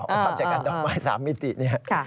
เข้าใจกันดอกไม้๓มิติเนี่ย